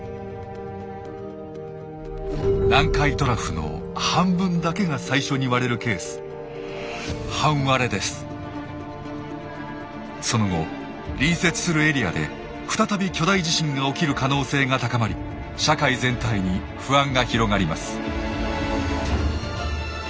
南海トラフの半分だけが最初に割れるケースその後隣接するエリアで再び巨大地震が起きる可能性が高まり社会全体に不安が広がります。